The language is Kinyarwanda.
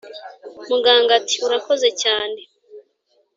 muganga ati"urakoze cyane